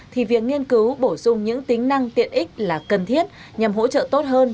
thì việc nghiên cứu bổ sung những tính năng tiện ích là cần thiết nhằm hỗ trợ tốt hơn